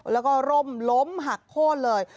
แล้วก็ร่มล้มหักโค้นเลย